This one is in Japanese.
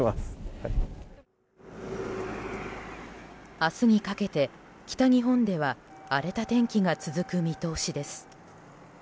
明日にかけて、北日本では荒れた天気が続く見通しです。